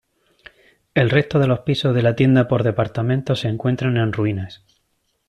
El resto de los pisos de la tienda por departamentos se encuentran en ruinas.